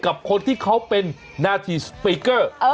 กับคนที่เขาเป็นนาทีสปีกเกอร์